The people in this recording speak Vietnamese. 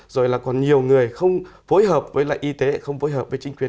rồi là còn nhiều người không phối hợp với lại y tế không phối hợp với chính quyền